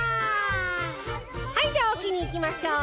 はいじゃあおきにいきましょう。